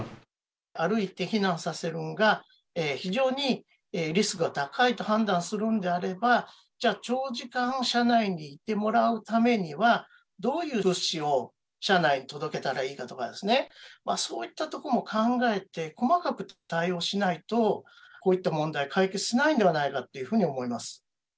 歩いて避難させるんが、非常にリスクが高いと判断するんであれば、じゃあ、長時間車内にいてもらうためには、どういう物資を車内に届けたらいいかとか、そういったとこも考えて、細かく対応しないと、こういった問題は解決しないんではないかというふうに思います。